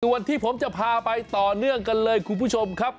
ส่วนที่ผมจะพาไปต่อเนื่องกันเลยคุณผู้ชมครับ